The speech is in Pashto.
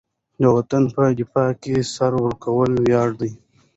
د وطن په دفاع کې سر ورکول ویاړ دی.